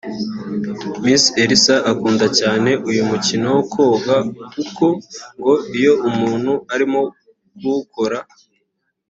Miss Elsa akunda cyane uyu mukino wo koga kuko ngo iyo umuntu arimo kuwukora